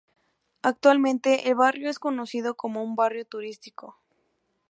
Actualmente, el barrio es conocido como un barrio turístico.